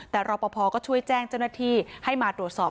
แต่รอปภก็ช่วยแจ้งเจ้าหน้าที่ให้มาตรวจสอบ